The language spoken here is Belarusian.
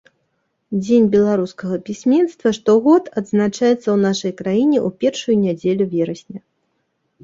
Дзень беларускага пісьменства штогод адзначаецца ў нашай краіне ў першую нядзелю верасня.